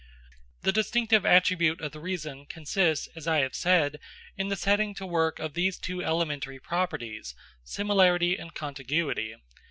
The distinctive attribute of the reason consists, as I have said, in the setting to work of these two elementary properties, similarity and contiguity.